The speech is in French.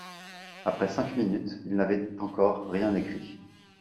Après cinq minutes, il n'avait encore rien écrit.